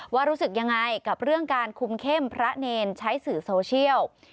ว่ารู้สึกยังไงกับเรื่องการคุมเข้มพระเนรใช้สื่อโซเชียล